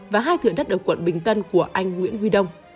và hai thửa đất ở quận bình tân của anh nguyễn huy đông